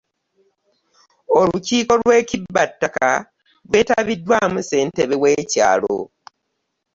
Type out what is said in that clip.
Olukiiko lw'ekibba ttaka lwetabiddwamu ssentebe w'ekyaalo.